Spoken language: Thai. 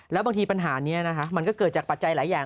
แล้วบางทีปัญหานี้นะคะมันก็เกิดจากปัจจัยหลายอย่าง